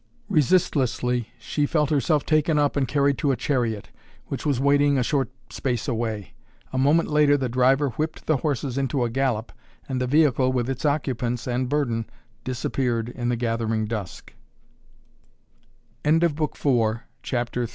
Resistlessly she felt herself taken up and carried to a chariot, which was waiting a short space away. A moment later the driver whipped the horses into a gallop and the vehicle with its occupants and burden disappeared in the ga